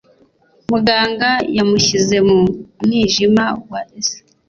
Muganga yamushyize mu mwijima wa ether